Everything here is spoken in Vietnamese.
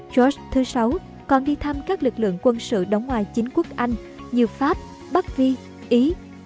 george vi còn đi thăm các lực lượng quân sự đóng ngoài chính quốc anh như pháp bắc vi ý